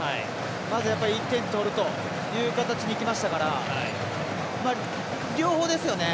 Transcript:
まず、やはり１点取るという形にいきましたから両方ですよね